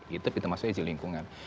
youtup pintu masuknya izin lingkungan